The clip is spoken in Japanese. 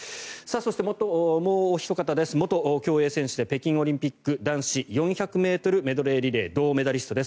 そして、もうおひと方元競泳選手で北京オリンピック男子４００ｍメドレーリレー銅メダリストです。